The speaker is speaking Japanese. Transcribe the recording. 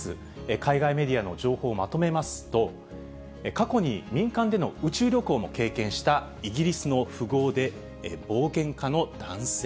海外メディアの情報をまとめますと、過去に民間での宇宙旅行も経験したイギリスの富豪で冒険家の男性。